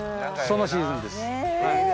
そのシーズンです。